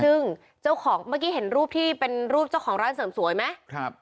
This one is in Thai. ซึ่งเจ้าของเมื่อกี้เห็นรูปที่เป็นรูปเจ้าของร้านเสริมสวยไหม